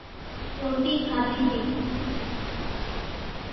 روٽي کاڌي تي